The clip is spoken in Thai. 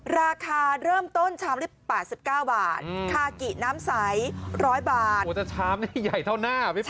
ราคาเริ่มต้นชามที่๘๙บาทคากิน้ำใส๑๐๐บาทโอ้โหแต่ชามนี่ใหญ่เท่าหน้าพี่ฝน